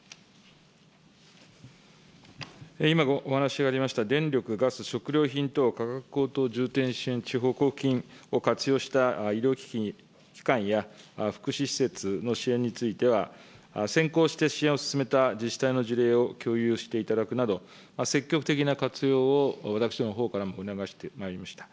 今お話ありました、電力、ガス、食料品等、価格高騰重点支援地方交付金を活用した医療機関や福祉施設の支援については、先行して支援を進めた自治体の事例を共有していただくなど、積極的な活用を、私のほうからもお願いしてまいりました。